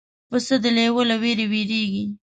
پسه د لیوه له وېرې وېرېږي.